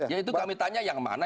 ya itu kami tanya yang mana